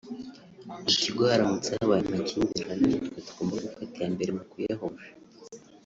« Mu kigo haramutse habaye amakimbirane nitwe tugomba gufata iya mbere mukuyahosha